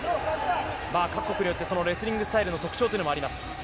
各国によってレスリングスタイルの特徴もあります。